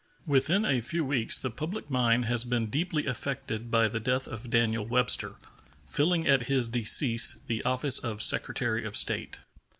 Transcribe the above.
Within a few weeks the public mind has been deeply affected by the death of Daniel Webster, filling at his decease the office of Secretary of State.